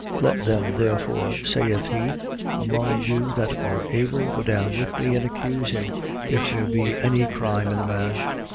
25:5. Let them, therefore, saith he, among you that are able, go down with me and accuse him, if there be any crime in the man.